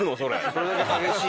それだけ激しい。